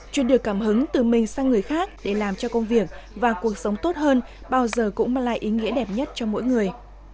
truyền được cảm hứng từ mình sang người khác để làm cho công việc và cuộc sống tốt hơn bao giờ cũng mang lại ý nghĩa đẹp nhất cho mỗi người